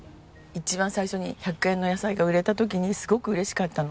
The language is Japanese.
一番最初に１００円の野菜が売れた時にすごく嬉しかったの。